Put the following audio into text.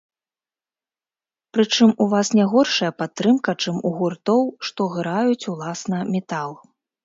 Прычым, у вас не горшая падтрымка, чым у гуртоў, што граюць, уласна, метал.